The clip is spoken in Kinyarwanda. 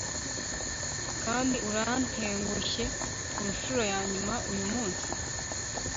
kandi urantengushye kunshuro yanyuma uyumunsi